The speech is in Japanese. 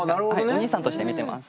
お兄さんとして見てます。